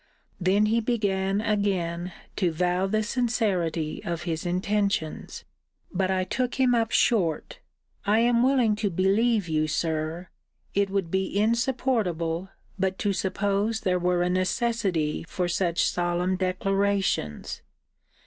Then he began again to vow the sincerity of his intentions But I took him up short: I am willing to believe you, Sir. It would be insupportable but to suppose there were a necessity for such solemn declarations.